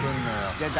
出た。